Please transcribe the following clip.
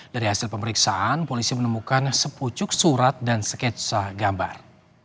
dari hasil pemeriksaan polisi menemukan sepucuk surat dan sketsa gambar